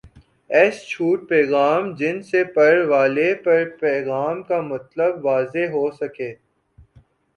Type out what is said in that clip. S چھوٹ پیغام جن سے پڑھ والے پر پیغام کا مطلب واضح ہو سکہ